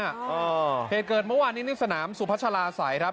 เออเหตุเกิดเมื่อวานนี้ในสนามสุพัชลาศัยครับ